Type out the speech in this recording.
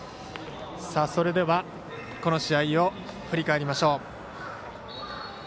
それではこの試合を振り返りましょう。